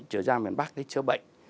trở ra miền bắc để chữa bệnh